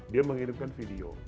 dia mengirimkan video